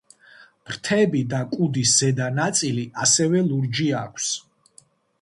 ფრთები და კუდის ზედა ნაწილი ასევე ლურჯი აქვს.